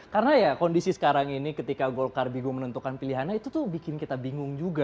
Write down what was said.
karena ya kondisi sekarang ini ketika golkar bingung menentukan pilihannya itu tuh bikin kita bingung juga